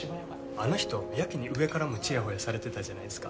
あの人やけに上からもちやほやされてたじゃないですか。